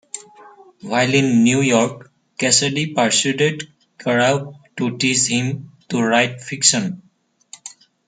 While in New York, Cassady persuaded Kerouac to teach him to write fiction.